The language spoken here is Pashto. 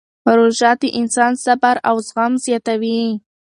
روژه د انسان صبر او زغم زیاتوي.